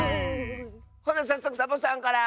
ほなさっそくサボさんから！